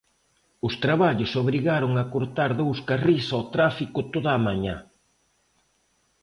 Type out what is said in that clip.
Os traballos obrigaron a cortar dous carrís ao tráfico toda a mañá.